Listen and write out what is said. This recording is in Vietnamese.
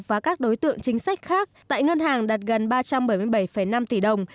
và các đối tượng chính sách khác tại ngân hàng đạt gần ba trăm bảy mươi bảy năm tỷ đồng